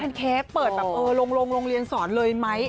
เค้กเปิดแบบเออลงโรงเรียนสอนเลยไหม